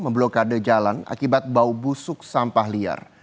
memblokade jalan akibat bau busuk sampah liar